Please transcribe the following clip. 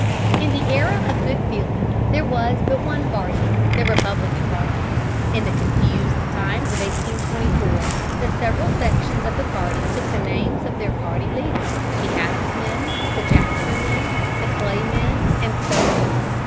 In the Era of Good Feeling there was but one party the Republican party. In the confused times of 1824 the several sections of the party took the names of their party leaders: the Adams men, the Jackson men, the Clay men, and so on.